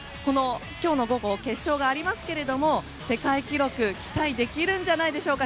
今日の午後、決勝がありますが世界記録期待できるんじゃないでしょうか。